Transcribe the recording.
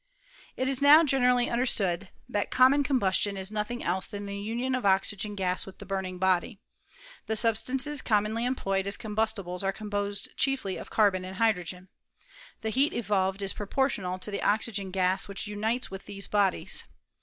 It is now generally understood that common com bustion is nothing else than the union of oxygen gas with the burning body. The substances com monly employed as combustibles are composed chiefly of carbon and hydrogen. The heat evolved is proportional to the oxygen gas which unites with these bodies.